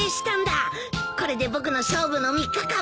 これで僕の勝負の３日間も終わりだよ。